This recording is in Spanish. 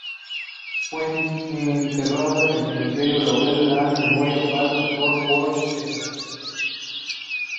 Fue enterrado en el Cementerio Laurel Land Memorial Park de Fort Worth, Texas.